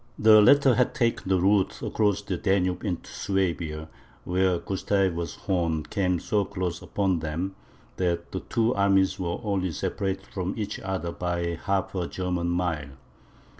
The latter had taken the route across the Danube into Swabia, where Gustavus Horn came so close upon them, that the two armies were only separated from each other by half a German mile.